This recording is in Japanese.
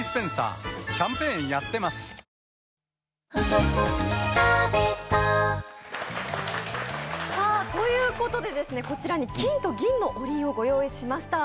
贅沢な香りということで、こちらに金と銀のおりん、ご用意しました。